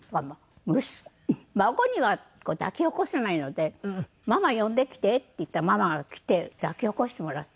孫には抱き起こせないので「ママ呼んできて」って言ったらママが来て抱き起こしてもらって。